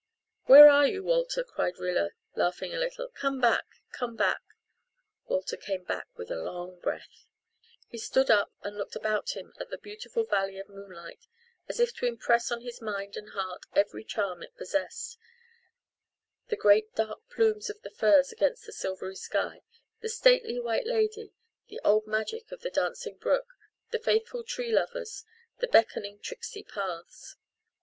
"Where are you, Walter," cried Rilla, laughing a little. "Come back come back." Walter came back with a long breath. He stood up and looked about him at the beautiful valley of moonlight, as if to impress on his mind and heart every charm it possessed the great dark plumes of the firs against the silvery sky, the stately White Lady, the old magic of the dancing brook, the faithful Tree Lovers, the beckoning, tricksy paths.